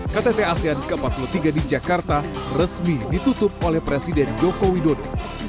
ktt asean ke empat puluh tiga di jakarta resmi ditutup oleh presiden joko widodo